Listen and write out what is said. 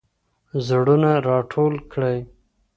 زړونه راټول کړئ.